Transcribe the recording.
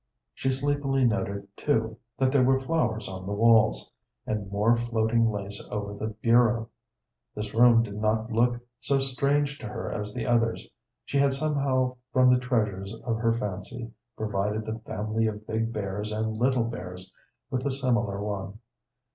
She sleepily noted, too, that there were flowers on the walls, and more floating lace over the bureau. This room did not look so strange to her as the others; she had somehow from the treasures of her fancy provided the family of big bears and little bears with a similar one.